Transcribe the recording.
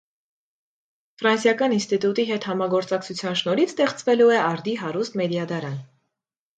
Ֆրանսիական ինստիտուտի հետ համագործակցության շնորհիվ ստեղծվելու է արդի հարուստ մեդիադարան։